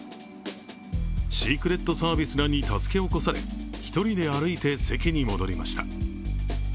シークレットサービスらに助け起こされ、１人で歩いて席に戻りました。